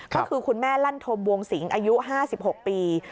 ก็คือคุณแม่ลั่นธมวงสิงอายุ๕๖ปี